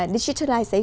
vâng chắc chắn là vậy